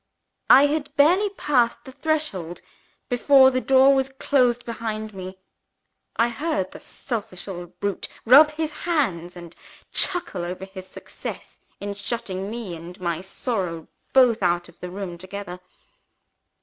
I had barely passed the threshold, before the door was closed behind me. I heard the selfish old brute rub his hands, and chuckle over his success in shutting me and my sorrow both out of the room together.